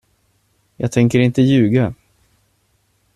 Jag tänker inte ljuga.